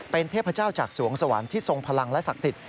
เป็นเทพเจ้าจากสวงสวรรค์ที่ทรงพลังและศักดิ์สิทธิ